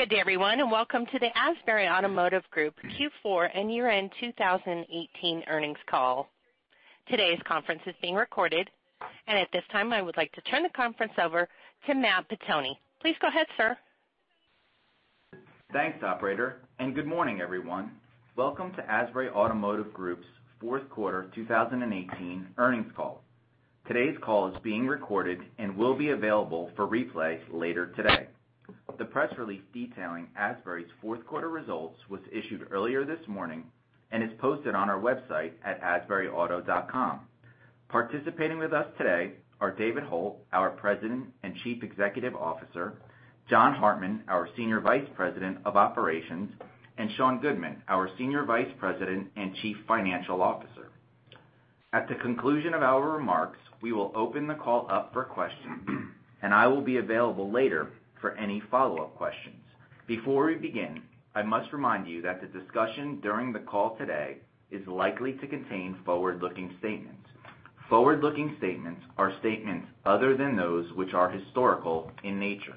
Good day everyone, welcome to the Asbury Automotive Group Q4 and Year-End 2018 Earnings Call. Today's conference is being recorded, and at this time, I would like to turn the conference over to Matt Pettoni. Please go ahead, sir. Thanks, operator, good morning, everyone. Welcome to Asbury Automotive Group's fourth quarter 2018 earnings call. Today's call is being recorded and will be available for replay later today. The press release detailing Asbury's fourth quarter results was issued earlier this morning and is posted on our website at asburyauto.com. Participating with us today are David Hult, our President and Chief Executive Officer, John Hartman, our Senior Vice President of Operations, and Sean Goodman, our Senior Vice President and Chief Financial Officer. At the conclusion of our remarks, we will open the call up for questions, and I will be available later for any follow-up questions. Before we begin, I must remind you that the discussion during the call today is likely to contain forward-looking statements. Forward-looking statements are statements other than those which are historical in nature.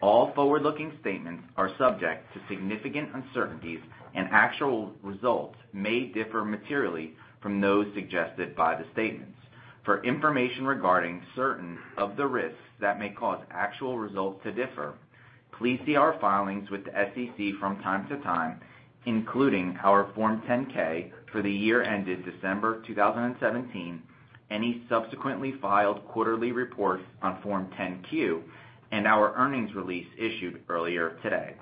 All forward-looking statements are subject to significant uncertainties, and actual results may differ materially from those suggested by the statements. For information regarding certain of the risks that may cause actual results to differ, please see our filings with the SEC from time to time, including our Form 10-K for the year ended December 2017, any subsequently filed quarterly reports on Form 10-Q, and our earnings release issued earlier today.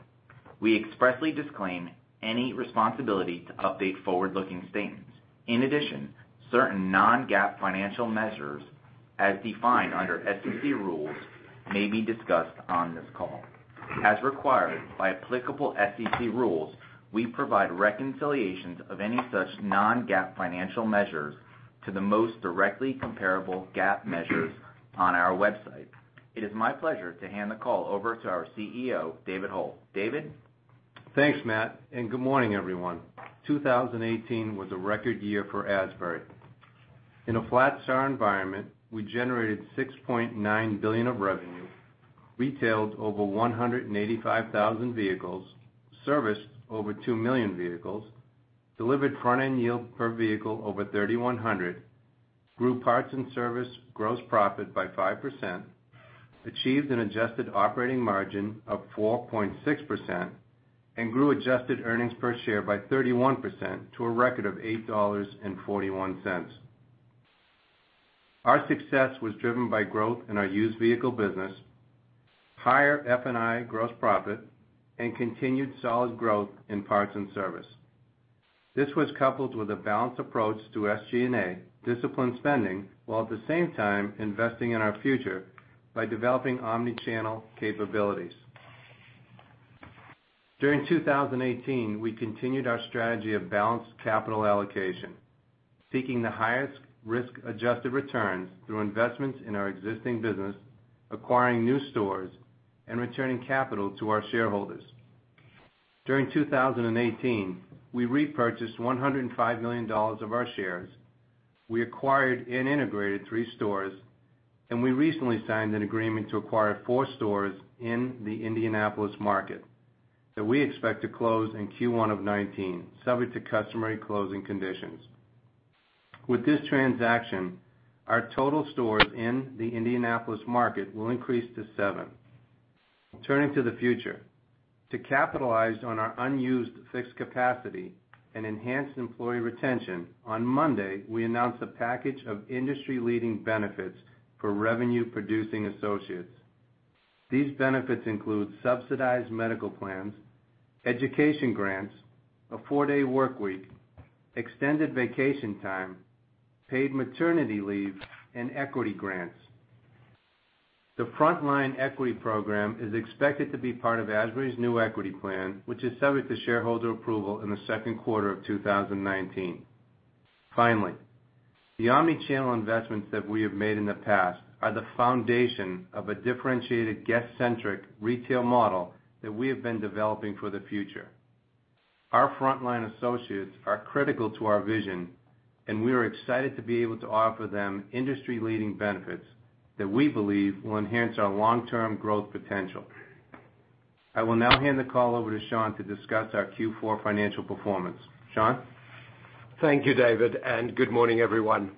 We expressly disclaim any responsibility to update forward-looking statements. In addition, certain non-GAAP financial measures, as defined under SEC rules, may be discussed on this call. As required by applicable SEC rules, we provide reconciliations of any such non-GAAP financial measures to the most directly comparable GAAP measures on our website. It is my pleasure to hand the call over to our CEO, David Hult. David? Thanks, Matt, good morning, everyone. 2018 was a record year for Asbury. In a flat SAAR environment, we generated $6.9 billion of revenue, retailed over 185,000 vehicles, serviced over 2 million vehicles, delivered front-end yield per vehicle over 3,100, grew parts and service gross profit by 5%, achieved an adjusted operating margin of 4.6%, and grew adjusted earnings per share by 31% to a record of $8.41. Our success was driven by growth in our used vehicle business, higher F&I gross profit, and continued solid growth in parts and service. This was coupled with a balanced approach to SG&A, disciplined spending, while at the same time investing in our future by developing omni-channel capabilities. During 2018, we continued our strategy of balanced capital allocation, seeking the highest risk-adjusted returns through investments in our existing business, acquiring new stores, and returning capital to our shareholders. During 2018, we repurchased $105 million of our shares, we acquired and integrated three stores, and we recently signed an agreement to acquire four stores in the Indianapolis market that we expect to close in Q1 of 2019, subject to customary closing conditions. With this transaction, our total stores in the Indianapolis market will increase to seven. To capitalize on our unused fixed capacity and enhance employee retention, on Monday, we announced a package of industry-leading benefits for revenue-producing associates. These benefits include subsidized medical plans, education grants, a four-day workweek, extended vacation time, paid maternity leave, and equity grants. The frontline equity program is expected to be part of Asbury's new equity plan, which is subject to shareholder approval in the second quarter of 2019. The omni-channel investments that we have made in the past are the foundation of a differentiated guest-centric retail model that we have been developing for the future. Our frontline associates are critical to our vision, and we are excited to be able to offer them industry-leading benefits that we believe will enhance our long-term growth potential. I will now hand the call over to Sean to discuss our Q4 financial performance. Sean? Thank you, David, and good morning, everyone.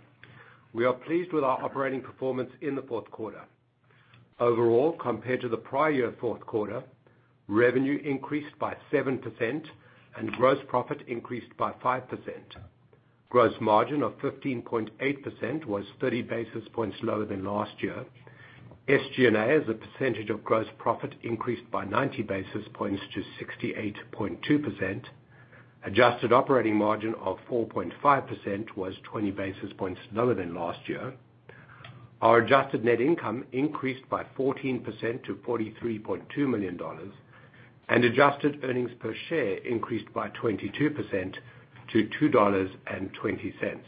We are pleased with our operating performance in the fourth quarter. Compared to the prior year fourth quarter, revenue increased by 7% and gross profit increased by 5%. Gross margin of 15.8% was 30 basis points lower than last year. SG&A, as a percentage of gross profit, increased by 90 basis points to 68.2%. Adjusted operating margin of 4.5% was 20 basis points lower than last year. Our adjusted net income increased by 14% to $43.2 million. Adjusted earnings per share increased by 22% to $2.20.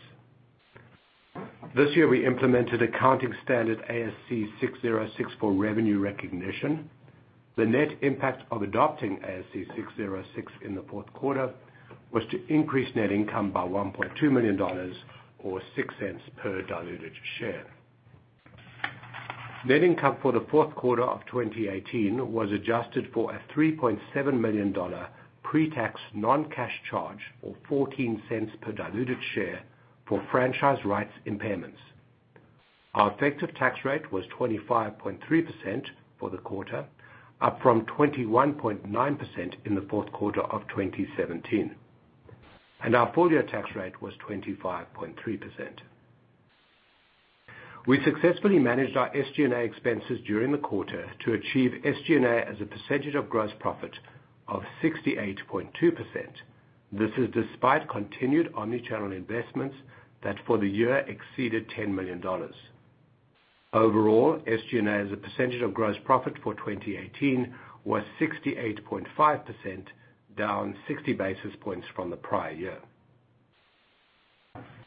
This year, we implemented accounting standard ASC 606 for revenue recognition. The net impact of adopting ASC 606 in the fourth quarter was to increase net income by $1.2 million, or $0.06 per diluted share. Net income for the fourth quarter of 2018 was adjusted for a $3.7 million pre-tax non-cash charge, or $0.14 per diluted share for franchise rights impairments. Our effective tax rate was 25.3% for the quarter, up from 21.9% in the fourth quarter of 2017. Our full-year tax rate was 25.3%. We successfully managed our SG&A expenses during the quarter to achieve SG&A as a percentage of gross profit of 68.2%. This is despite continued omni-channel investments that for the year exceeded $10 million. SG&A as a percentage of gross profit for 2018 was 68.5%, down 60 basis points from the prior year.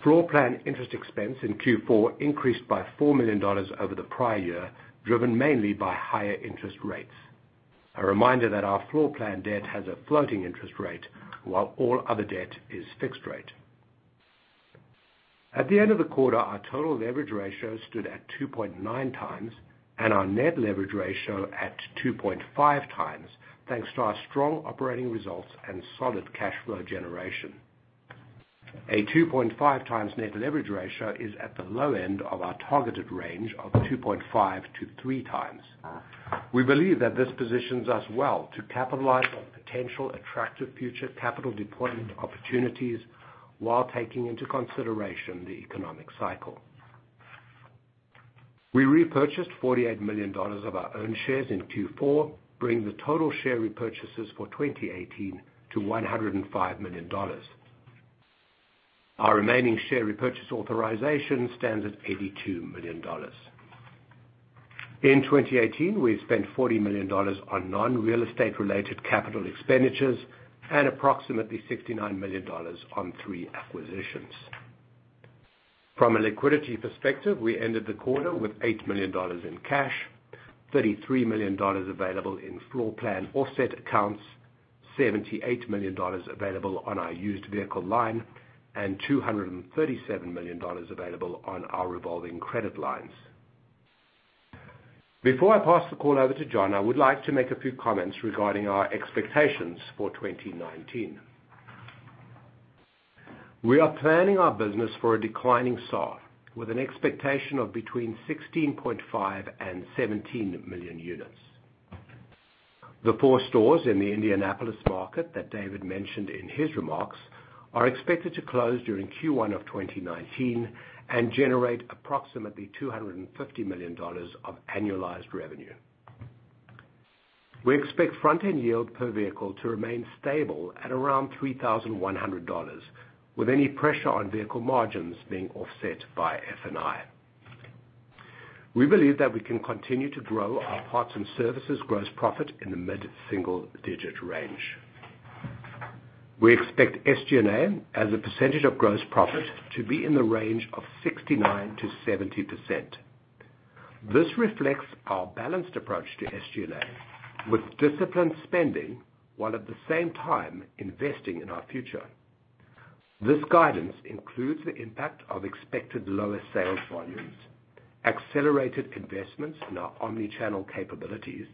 Floorplan interest expense in Q4 increased by $4 million over the prior year, driven mainly by higher interest rates. A reminder that our floorplan debt has a floating interest rate, while all other debt is fixed rate. At the end of the quarter, our total leverage ratio stood at 2.9x, and our net leverage ratio at 2.5x, thanks to our strong operating results and solid cash flow generation. A 2.5x net leverage ratio is at the low end of our targeted range of 2.5x-3x. We believe that this positions us well to capitalize on potential attractive future capital deployment opportunities while taking into consideration the economic cycle. We repurchased $48 million of our own shares in Q4, bringing the total share repurchases for 2018 to $105 million. Our remaining share repurchase authorization stands at $82 million. In 2018, we spent $40 million on non-real estate related CapEx and approximately $69 million on three acquisitions. From a liquidity perspective, we ended the quarter with $8 million in cash, $33 million available in floorplan offset accounts, $78 million available on our used vehicle line, and $237 million available on our revolving credit lines. Before I pass the call over to John, I would like to make a few comments regarding our expectations for 2019. We are planning our business for a declining SAAR with an expectation of between 16.5 million and 17 million units. The four stores in the Indianapolis market that David mentioned in his remarks are expected to close during Q1 of 2019 and generate approximately $250 million of annualized revenue. We expect front-end yield per vehicle to remain stable at around $3,100 with any pressure on vehicle margins being offset by F&I. We believe that we can continue to grow our parts and services gross profit in the mid-single digit range. We expect SG&A as a percentage of gross profit to be in the range of 69%-70%. This reflects our balanced approach to SG&A with disciplined spending, while at the same time investing in our future. This guidance includes the impact of expected lower sales volumes, accelerated investments in our omni-channel capabilities,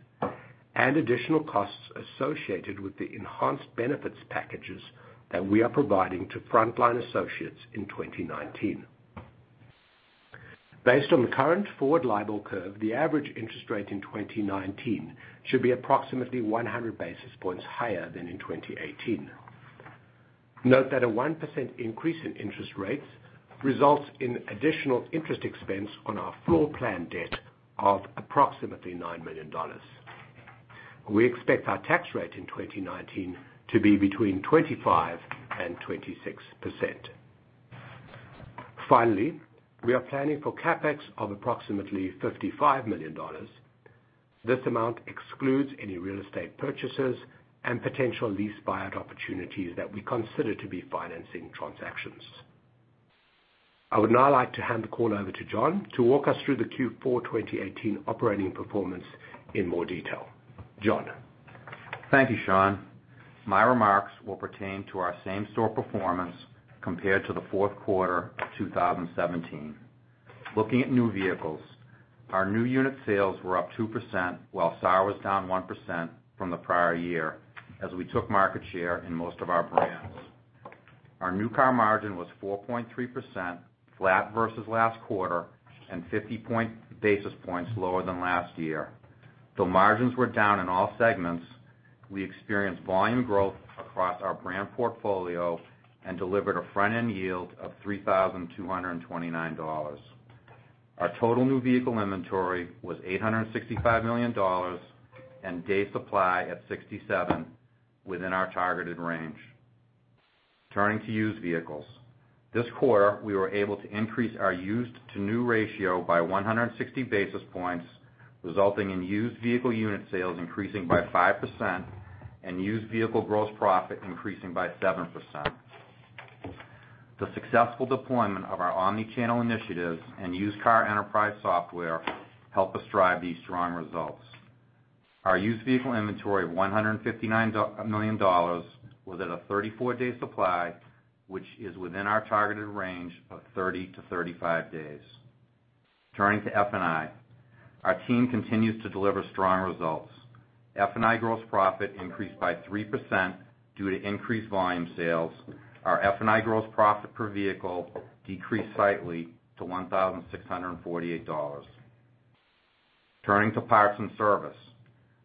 and additional costs associated with the enhanced benefits packages that we are providing to frontline associates in 2019. Based on the current forward LIBOR curve, the average interest rate in 2019 should be approximately 100 basis points higher than in 2018. Note that a 1% increase in interest rates results in additional interest expense on our floorplan debt of approximately $9 million. We expect our tax rate in 2019 to be between 25% and 26%. Finally, we are planning for CapEx of approximately $55 million. This amount excludes any real estate purchases and potential lease buyout opportunities that we consider to be financing transactions. I would now like to hand the call over to John to walk us through the Q4 2018 operating performance in more detail. John? Thank you, Sean. My remarks will pertain to our same-store performance compared to the fourth quarter of 2017. Looking at new vehicles, our new unit sales were up 2%, while SAAR was down 1% from the prior year as we took market share in most of our brands. Our new car margin was 4.3%, flat versus last quarter, and 50 basis points lower than last year. Though margins were down in all segments, we experienced volume growth across our brand portfolio and delivered a front-end yield of $3,229. Our total new vehicle inventory was $865 million and day supply at 67, within our targeted range. Turning to used vehicles. This quarter, we were able to increase our used-to-new ratio by 160 basis points, resulting in used vehicle unit sales increasing by 5% and used vehicle gross profit increasing by 7%. The successful deployment of our omni-channel initiatives and used car enterprise software helped us drive these strong results. Our used vehicle inventory of $159 million was at a 34-day supply, which is within our targeted range of 30-35 days. Turning to F&I. Our team continues to deliver strong results. F&I gross profit increased by 3% due to increased volume sales. Our F&I gross profit per vehicle decreased slightly to $1,648. Turning to parts and service.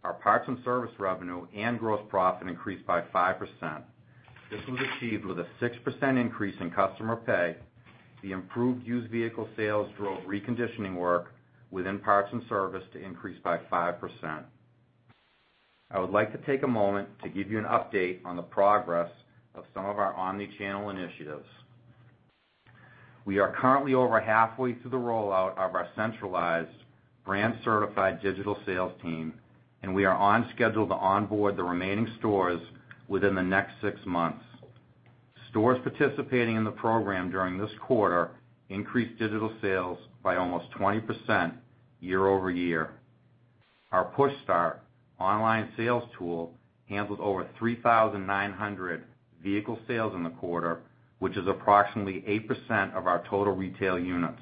Our parts and service revenue and gross profit increased by 5%. This was achieved with a 6% increase in customer pay. The improved used vehicle sales drove reconditioning work within parts and service to increase by 5%. I would like to take a moment to give you an update on the progress of some of our omni-channel initiatives. We are currently over halfway through the rollout of our centralized brand-certified digital sales team, and we are on schedule to onboard the remaining stores within the next six months. Stores participating in the program during this quarter increased digital sales by almost 20% year-over-year. Our PushStart online sales tool handled over 3,900 vehicle sales in the quarter, which is approximately 8% of our total retail units.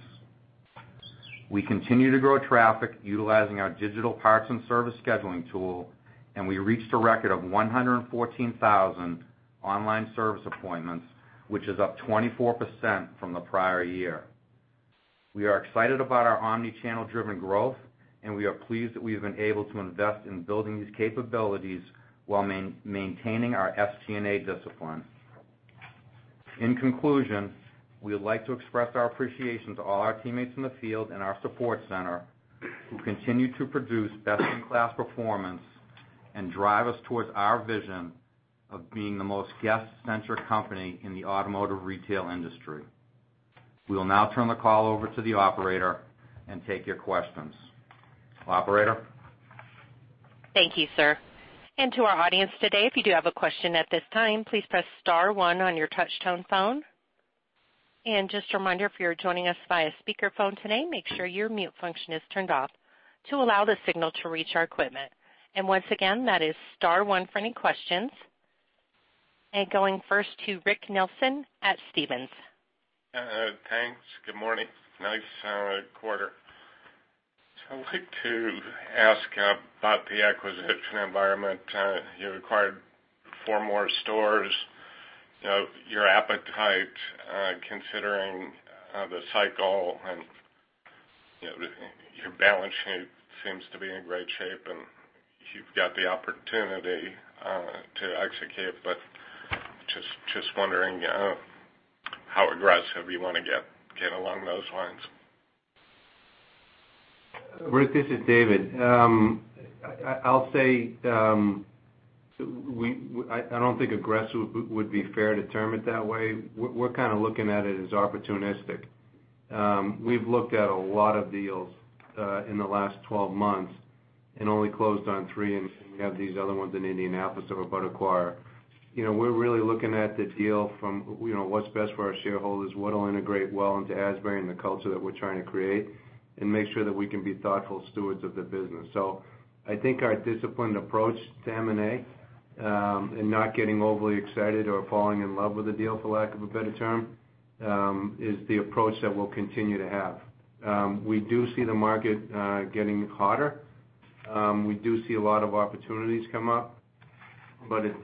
We continue to grow traffic utilizing our digital parts and service scheduling tool, and we reached a record of 114,000 online service appointments, which is up 24% from the prior year. We are excited about our omni-channel driven growth. We are pleased that we have been able to invest in building these capabilities while maintaining our SG&A discipline. In conclusion, we would like to express our appreciation to all our teammates in the field and our support center who continue to produce best-in-class performance and drive us towards our vision of being the most guest-centric company in the automotive retail industry. We will now turn the call over to the operator and take your questions. Operator? Thank you, sir. To our audience today, if you do have a question at this time, please press star one on your touch-tone phone. Just a reminder, if you're joining us via speakerphone today, make sure your mute function is turned off to allow the signal to reach our equipment. Once again, that is star one for any questions. Going first to Rick Nelson at Stephens. Thanks. Good morning. Nice quarter. I'd like to ask about the acquisition environment. You acquired four more stores. Your appetite considering the cycle and your balance sheet seems to be in great shape, you've got the opportunity to execute, just wondering how aggressive you want to get along those lines. Rick, this is David. I'll say, I don't think aggressive would be fair to term it that way. We're kind of looking at it as opportunistic. We've looked at a lot of deals in the last 12 months and only closed on three, we have these other ones in Indianapolis that we're about to acquire. We're really looking at the deal from what's best for our shareholders, what'll integrate well into Asbury and the culture that we're trying to create and make sure that we can be thoughtful stewards of the business. I think our disciplined approach to M&A and not getting overly excited or falling in love with the deal, for lack of a better term, is the approach that we'll continue to have. We do see the market getting hotter. We do see a lot of opportunities come up,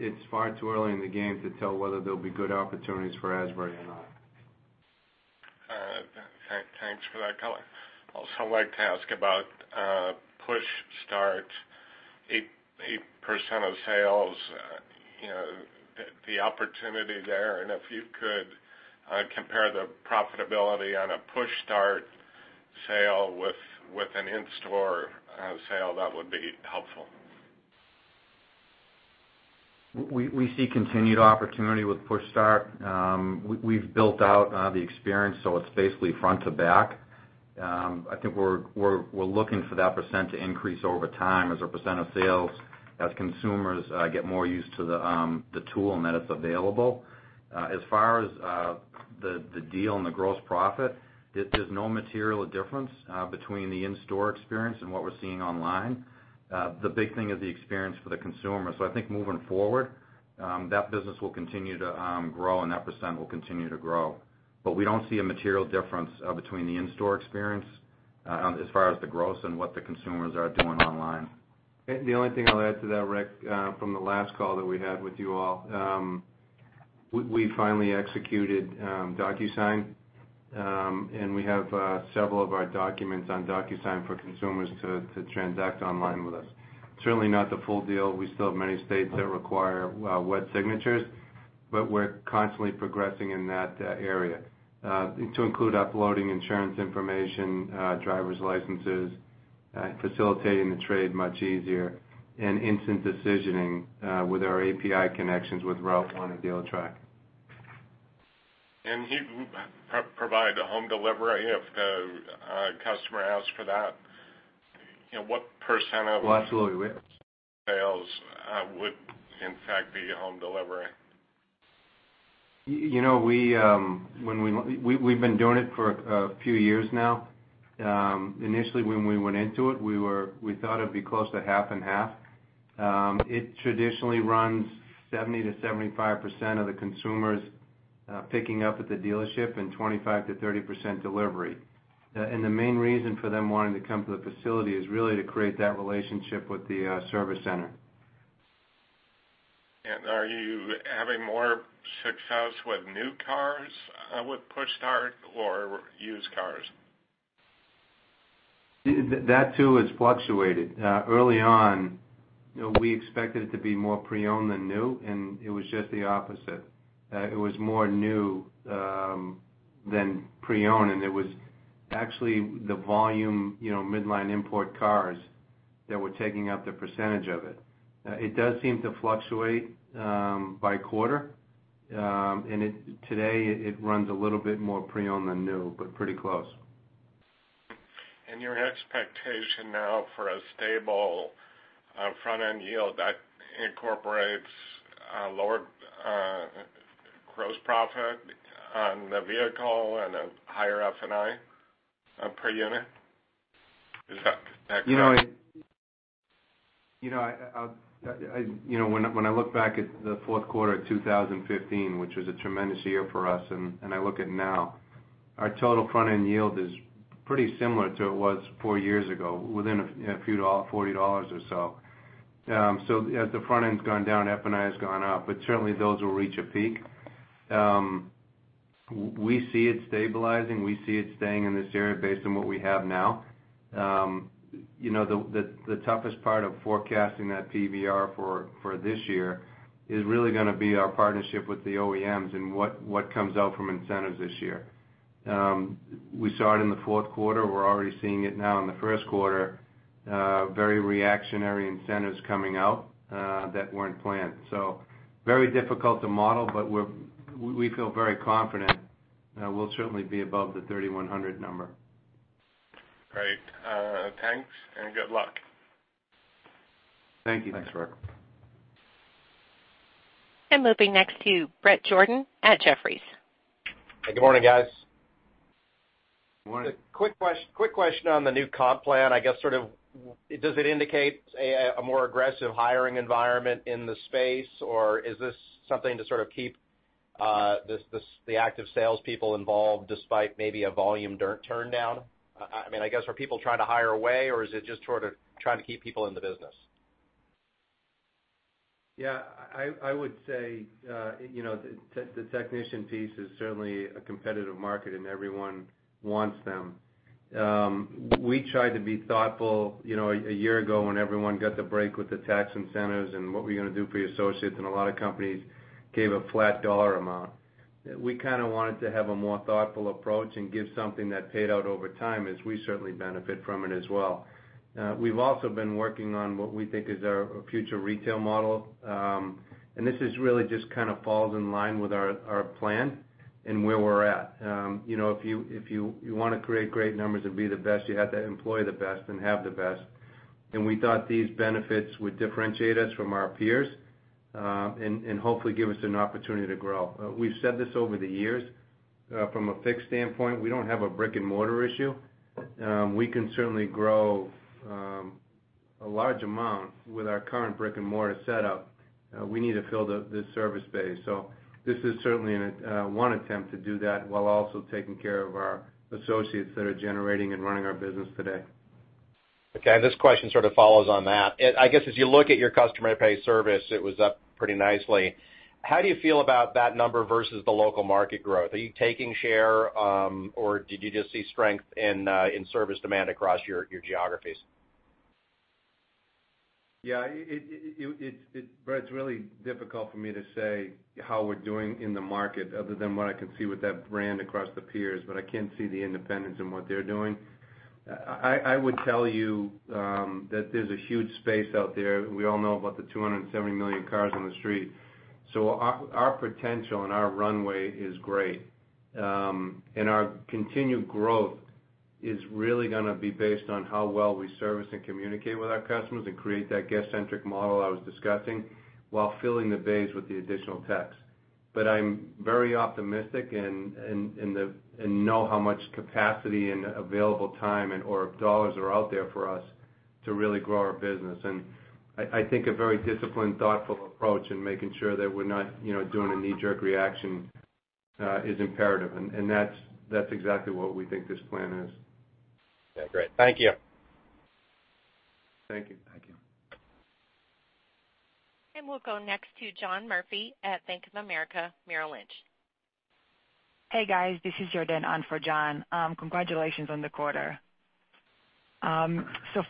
it's far too early in the game to tell whether there'll be good opportunities for Asbury or not. Thanks for that color. Also like to ask about PushStart. 8% of sales, the opportunity there, and if you could compare the profitability on a PushStart sale with an in-store sale, that would be helpful. We see continued opportunity with PushStart. We've built out the experience, so it's basically front to back. I think we're looking for that percent to increase over time as a percent of sales as consumers get more used to the tool and that it's available. As far as the deal and the gross profit, there's no material difference between the in-store experience and what we're seeing online. The big thing is the experience for the consumer. I think moving forward, that business will continue to grow, and that percent will continue to grow. We don't see a material difference between the in-store experience as far as the gross and what the consumers are doing online. The only thing I'll add to that, Rick, from the last call that we had with you all, we finally executed DocuSign, and we have several of our documents on DocuSign for consumers to transact online with us. Certainly not the full deal. We still have many states that require wet signatures, but we're constantly progressing in that area to include uploading insurance information, driver's licenses, facilitating the trade much easier, and instant decisioning with our API connections with RouteOne and Dealertrack. You provide the home delivery if the customer asks for that. What percent of... Absolutely, Rick Sales would in fact be home delivery? We've been doing it for a few years now. Initially, when we went into it, we thought it'd be close to half and half. It traditionally runs 70%-75% of the consumers picking up at the dealership and 25%-30% delivery. The main reason for them wanting to come to the facility is really to create that relationship with the service center. Are you having more success with new cars with PushStart or used cars? That too has fluctuated. Early on, we expected it to be more pre-owned than new, and it was just the opposite. It was more new than pre-owned, and it was actually the volume midline import cars that were taking up the percentage of it. It does seem to fluctuate by quarter. Today it runs a little bit more pre-owned than new, but pretty close. Your expectation now for a stable front-end yield that incorporates a lower gross profit on the vehicle and a higher F&I per unit. Is that accurate? When I look back at the fourth quarter of 2015, which was a tremendous year for us, I look at now, our total front-end yield is pretty similar to it was four years ago, within a few dollars, $40 or so. As the front end's gone down, F&I has gone up. Certainly those will reach a peak. We see it stabilizing. We see it staying in this area based on what we have now. The toughest part of forecasting that PVR for this year is really going to be our partnership with the OEMs and what comes out from incentives this year. We saw it in the fourth quarter. We're already seeing it now in the first quarter. Very reactionary incentives coming out that weren't planned. Very difficult to model, but we feel very confident we'll certainly be above the 3,100 number. Great. Thanks and good luck. Thank you. Thanks, Rick. Moving next to Bret Jordan at Jefferies. Good morning, guys. Good morning. Quick question on the new comp plan. I guess, sort of, does it indicate a more aggressive hiring environment in the space, or is this something to sort of keep the active salespeople involved despite maybe a volume turn down? I mean, I guess, are people trying to hire away, or is it just sort of trying to keep people in the business? Yeah, I would say the technician piece is certainly a competitive market and everyone wants them. We tried to be thoughtful a year ago when everyone got the break with the tax incentives and what we're going to do for your associates, and a lot of companies gave a flat dollar amount. We kind of wanted to have a more thoughtful approach and give something that paid out over time as we certainly benefit from it as well. We've also been working on what we think is our future retail model. This is really just kind of falls in line with our plan and where we're at. If you want to create great numbers and be the best, you have to employ the best and have the best. We thought these benefits would differentiate us from our peers, and hopefully give us an opportunity to grow. We've said this over the years from a fixed standpoint, we don't have a brick and mortar issue. We can certainly grow a large amount with our current brick and mortar setup. We need to fill this service base. This is certainly one attempt to do that while also taking care of our associates that are generating and running our business today. Okay. This question sort of follows on that. I guess as you look at your customer pay service, it was up pretty nicely. How do you feel about that number versus the local market growth? Are you taking share, or did you just see strength in service demand across your geographies? Bret, it's really difficult for me to say how we're doing in the market other than what I can see with that brand across the peers, but I can't see the independents and what they're doing. I would tell you that there's a huge space out there. We all know about the 270 million cars on the street. Our potential and our runway is great. Our continued growth is really going to be based on how well we service and communicate with our customers and create that guest-centric model I was discussing while filling the bays with the additional techs. But I'm very optimistic and know how much capacity and available time or dollars are out there for us to really grow our business. I think a very disciplined, thoughtful approach in making sure that we're not doing a knee-jerk reaction is imperative. That's exactly what we think this plan is. Okay, great. Thank you. Thank you. Thank you. We'll go next to John Murphy at Bank of America, Merrill Lynch. Hey, guys, this is Jordan on for John. Congratulations on the quarter.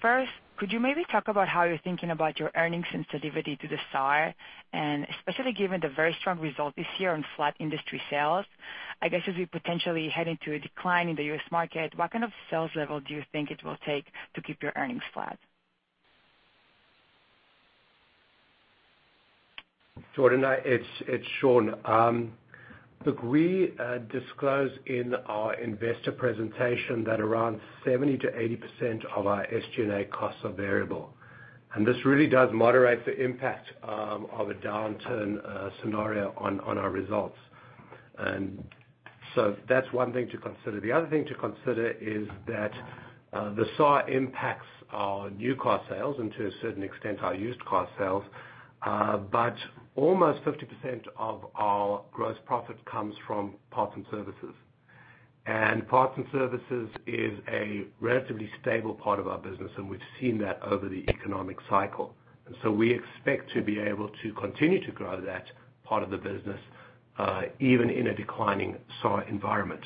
First, could you maybe talk about how you're thinking about your earnings sensitivity to the SAAR, especially given the very strong result this year on flat industry sales? I guess as we potentially head into a decline in the U.S. market, what kind of sales level do you think it will take to keep your earnings flat? Jordan, it's Sean. Look, we disclose in our investor presentation that around 70%-80% of our SG&A costs are variable. This really does moderate the impact of a downturn scenario on our results. That's one thing to consider. The other thing to consider is that the SAAR impacts our new car sales and to a certain extent, our used car sales. Almost 50% of our gross profit comes from parts and services. Parts and services is a relatively stable part of our business, and we've seen that over the economic cycle. We expect to be able to continue to grow that part of the business, even in a declining SAAR environment.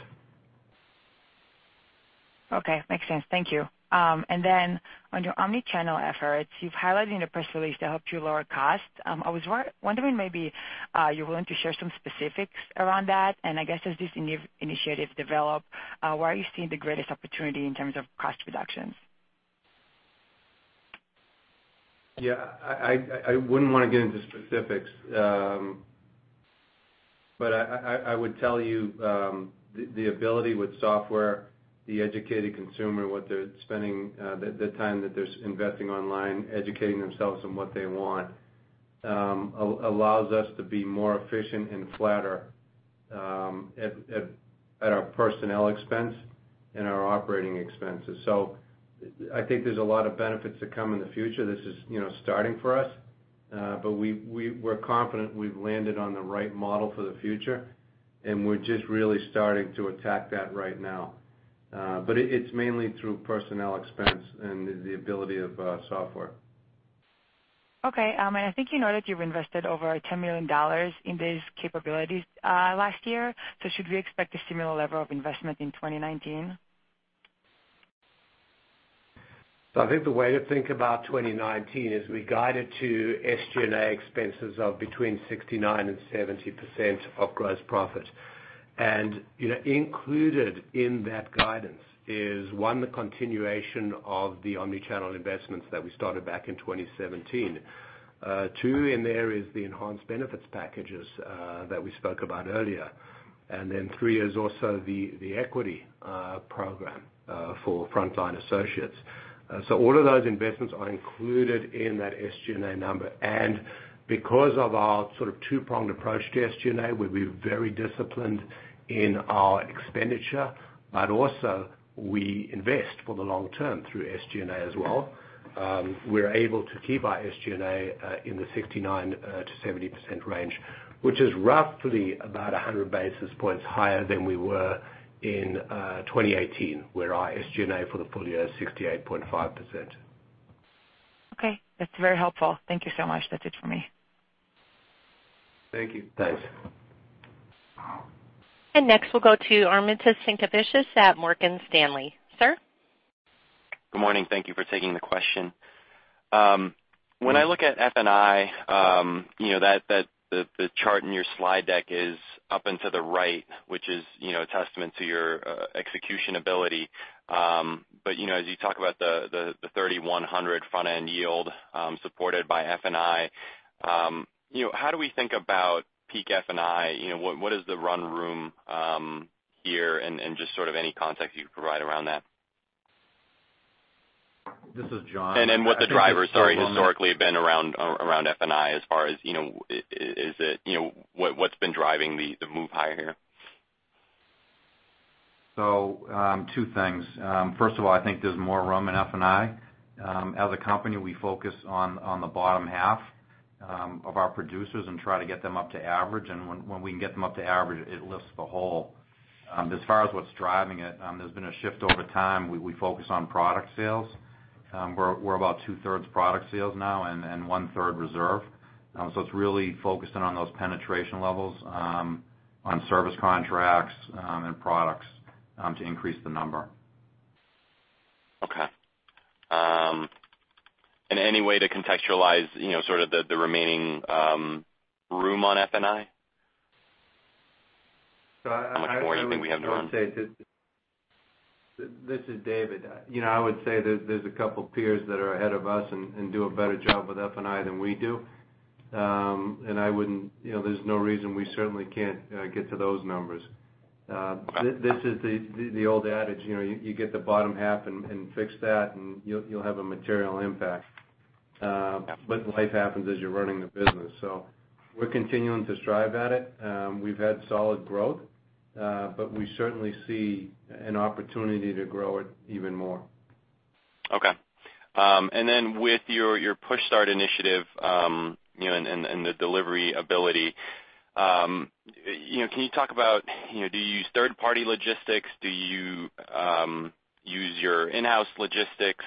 Okay. Makes sense. Thank you. Then on your omni-channel efforts, you've highlighted in a press release that helped you lower costs. I was wondering maybe, are you willing to share some specifics around that? I guess as this initiative develop, where are you seeing the greatest opportunity in terms of cost reductions? Yeah, I wouldn't want to get into specifics. I would tell you, the ability with software, the educated consumer, what they're spending, the time that they're investing online, educating themselves on what they want, allows us to be more efficient and flatter at our personnel expense and our operating expenses. I think there's a lot of benefits that come in the future. This is starting for us. We're confident we've landed on the right model for the future, and we're just really starting to attack that right now. It's mainly through personnel expense and the ability of software. Okay. I think you know that you've invested over $10 million in these capabilities last year. Should we expect a similar level of investment in 2019? I think the way to think about 2019 is we guided to SG&A expenses of between 69% and 70% of gross profit. Included in that guidance is one, the continuation of the omni-channel investments that we started back in 2017. Two in there is the enhanced benefits packages that we spoke about earlier. Three is also the equity program for frontline associates. All of those investments are included in that SG&A number. Because of our sort of two-pronged approach to SG&A, where we're very disciplined in our expenditure, but also we invest for the long term through SG&A as well. We're able to keep our SG&A in the 69%-70% range, which is roughly about 100 basis points higher than we were in 2018, where our SG&A for the full year is 68.5%. Okay. That's very helpful. Thank you so much. That's it for me. Thank you. Thanks. Next, we'll go to Armintas Sinkevicius at Morgan Stanley, sir. Good morning. Thank you for taking the question. When I look at F&I, the chart in your slide deck is up and to the right, which is a testament to your execution ability. As you talk about the 3,100 front-end yield supported by F&I, how do we think about peak F&I? What is the run room here and just sort of any context you could provide around that? This is John. What the drivers, sorry, historically have been around F&I as far as what's been driving the move higher here? Two things. First of all, I think there's more room in F&I. As a company, we focus on the bottom half of our producers and try to get them up to average. When we can get them up to average, it lifts the whole. As far as what's driving it, there's been a shift over time. We focus on product sales. We're about two-thirds product sales now and one-third reserve. It's really focusing on those penetration levels, on service contracts, and products to increase the number. Okay. Any way to contextualize sort of the remaining room on F&I? How much more do you think we have to run? This is David. I would say there's a couple peers that are ahead of us and do a better job with F&I than we do. There's no reason we certainly can't get to those numbers. This is the old adage, you get the bottom half and fix that, and you'll have a material impact. Life happens as you're running the business. We're continuing to strive at it. We've had solid growth, but we certainly see an opportunity to grow it even more. Okay. With your PushStart initiative and the delivery ability, can you talk about, do you use third-party logistics? Do you use your in-house logistics,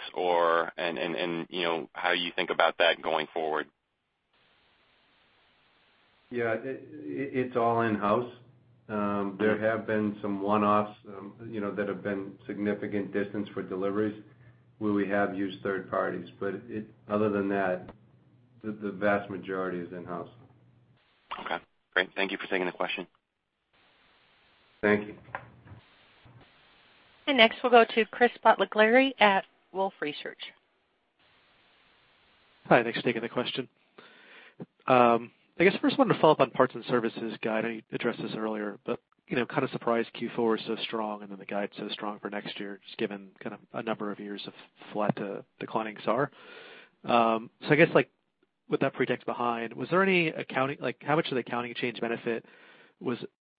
and how you think about that going forward? Yeah. It's all in-house. There have been some one-offs that have been significant distance for deliveries where we have used third parties. Other than that, the vast majority is in-house. Okay, great. Thank you for taking the question. Thank you. Next, we'll go to Chris Bottiglieri at Wolfe Research. Hi, thanks for taking the question. I guess first one to follow up on parts and services guide. I addressed this earlier, but kind of surprised Q4 was so strong and then the guide so strong for next year, just given a number of years of flat to declining SAAR. I guess with that period behind, how much of the accounting change benefit,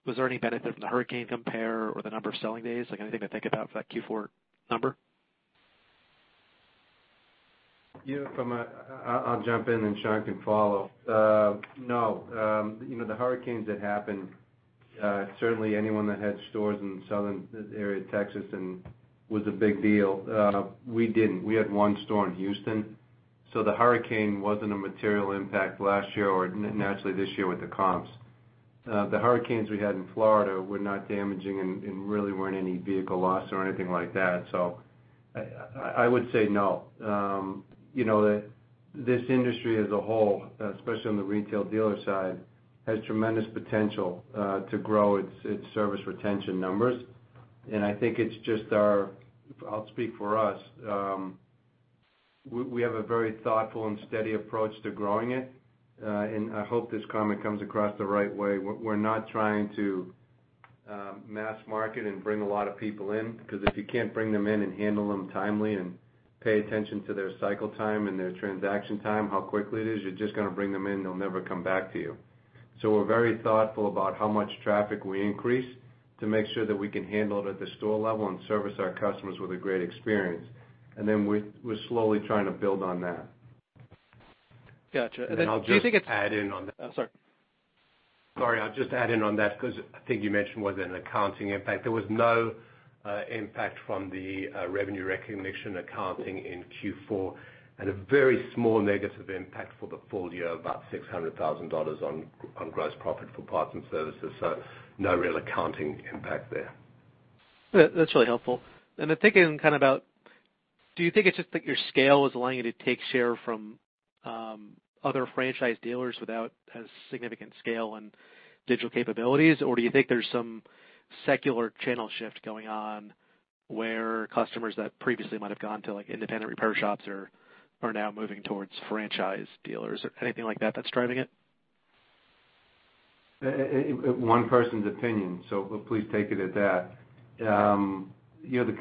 was there any benefit from the hurricane compare or the number of selling days? Anything to think about for that Q4 number? I'll jump in and Sean can follow. No. The hurricanes that happened certainly anyone that had stores in southern area Texas was a big deal. We didn't. We had one store in Houston, so the hurricane wasn't a material impact last year or naturally this year with the comps. The hurricanes we had in Florida were not damaging and really weren't any vehicle loss or anything like that. I would say no. This industry as a whole, especially on the retail dealer side, has tremendous potential to grow its service retention numbers. I think it's just our, I'll speak for us, we have a very thoughtful and steady approach to growing it. I hope this comment comes across the right way. We're not trying to mass market and bring a lot of people in, because if you can't bring them in and handle them timely and pay attention to their cycle time and their transaction time, how quickly it is, you're just going to bring them in, they'll never come back to you. We're very thoughtful about how much traffic we increase to make sure that we can handle it at the store level and service our customers with a great experience. We're slowly trying to build on that. Got you. Do you think it's- I'll just add in on that. Oh, sorry. Sorry, I'll just add in on that because I think you mentioned was it an accounting impact. There was no impact from the revenue recognition accounting in Q4 and a very small negative impact for the full year of about $600,000 on gross profit for parts and services. No real accounting impact there. That's really helpful. Thinking about, do you think it's just that your scale is allowing you to take share from other franchise dealers without as significant scale and digital capabilities? Or do you think there's some secular channel shift going on where customers that previously might have gone to independent repair shops are now moving towards franchise dealers or anything like that's driving it? One person's opinion, please take it as that.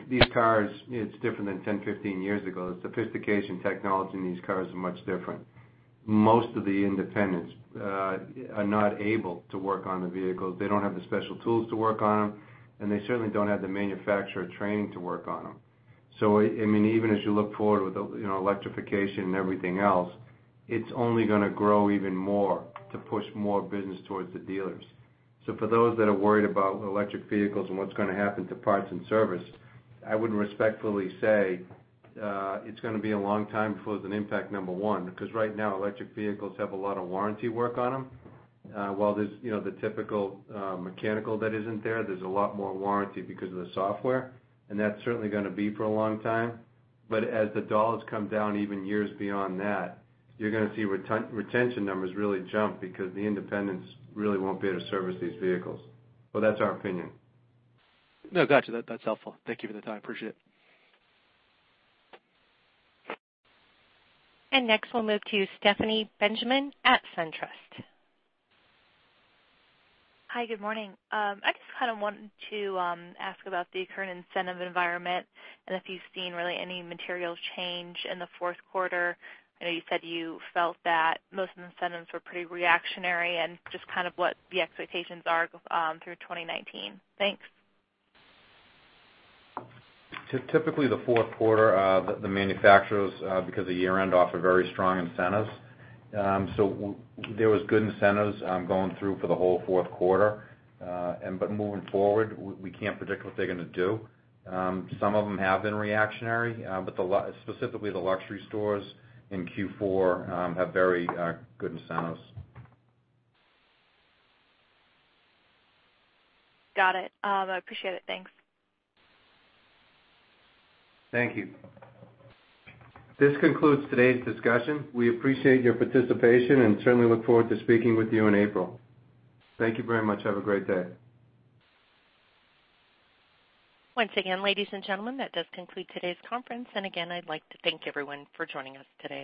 These cars, it's different than 10, 15 years ago. The sophistication technology in these cars are much different. Most of the independents are not able to work on the vehicles. They don't have the special tools to work on them, and they certainly don't have the manufacturer training to work on them. Even as you look forward with electrification and everything else, it's only going to grow even more to push more business towards the dealers. For those that are worried about electric vehicles and what's going to happen to parts and service, I would respectfully say it's going to be a long time before there's an impact, number one, because right now, electric vehicles have a lot of warranty work on them. While there's the typical mechanical that is in there's a lot more warranty because of the software, and that's certainly going to be for a long time. As the dollars come down, even years beyond that, you're going to see retention numbers really jump because the independents really won't be able to service these vehicles. Well, that's our opinion. No, got you. That's helpful. Thank you for the time. Appreciate it. Next we'll move to Stephanie Benjamin at SunTrust. Hi, good morning. I just kind of wanted to ask about the current incentive environment and if you've seen really any material change in the fourth quarter. I know you said you felt that most incentives were pretty reactionary and just kind of what the expectations are through 2019. Thanks. Typically the fourth quarter the manufacturers because of year end offer very strong incentives. There was good incentives going through for the whole fourth quarter. Moving forward, we can't predict what they're going to do. Some of them have been reactionary but specifically the luxury stores in Q4 have very good incentives. Got it. I appreciate it. Thanks. Thank you. This concludes today's discussion. We appreciate your participation and certainly look forward to speaking with you in April. Thank you very much. Have a great day. Once again, ladies and gentlemen, that does conclude today's conference and again, I'd like to thank everyone for joining us today.